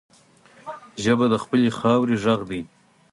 ژبه د خپلې خاورې غږ دی